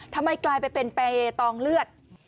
ทำไมกลายเป็นเปล่าประเทศล์ตองเลือด